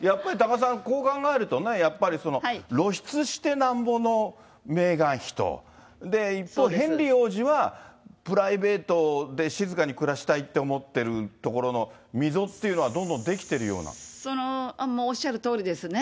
やっぱり多賀さん、こう考えるとやっぱり、露出してなんぼのメーガン妃と、一方でヘンリー王子はプライベートで静かに暮らしたいって思ってるところの溝っていうのは、どんどんできてるおっしゃるとおりですね。